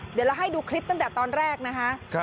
เดี๋ยวเราให้ดูคลิปตั้งแต่ตอนแรกนะคะ